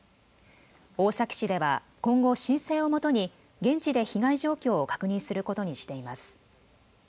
大崎市では今後、申請をもとに現地で被害状況を確認することにしています。